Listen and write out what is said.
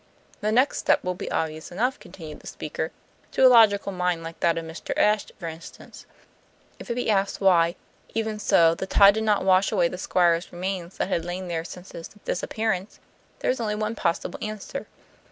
"The next step will be obvious enough," continued the speaker, "to a logical mind like that of Mr. Ashe, for instance. If it be asked why, even so, the tide did not wash away the Squire's remains that had lain there since his disappearance, there is only one possible answer.